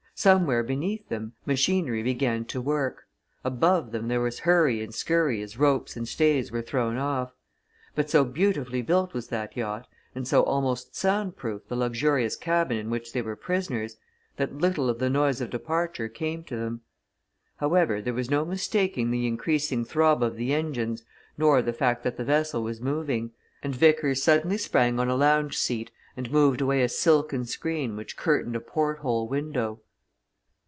Somewhere beneath them, machinery began to work; above them there was hurry and scurry as ropes and stays were thrown off. But so beautifully built was that yacht, and so almost sound proof the luxurious cabin in which they were prisoners, that little of the noise of departure came to them. However, there was no mistaking the increasing throb of the engines nor the fact that the vessel was moving, and Vickers suddenly sprang on a lounge seat and moved away a silken screen which curtained a port hole window.